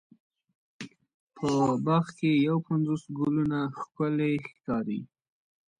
په باغ کې یو پنځوس ګلونه ښکلې ښکاري.